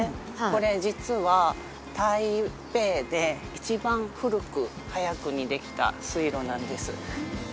これ実は台北で一番古く早くにできた水路なんです